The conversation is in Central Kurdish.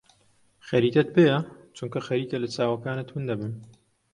خەریتەت پێیە؟ چونکە خەریکە لە چاوەکانت ون دەبم.